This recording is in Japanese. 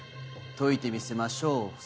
解いてみせましょうその謎を。